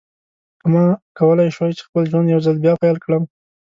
که ما کولای شوای چې خپل ژوند یو ځل بیا پیل کړم.